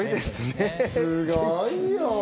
すごいよ。